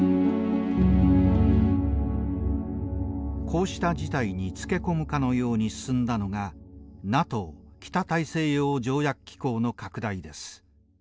こうした事態につけ込むかのように進んだのがＮＡＴＯ北大西洋条約機構の拡大です。